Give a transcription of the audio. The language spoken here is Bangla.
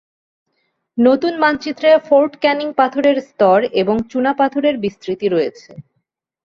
নতুন মানচিত্রে ফোর্ট ক্যানিং পাথরের স্তর এবং চুনাপাথরের বিস্তৃতি রয়েছে।